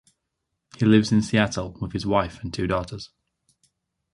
He lives in Seattle with his wife and two daughters.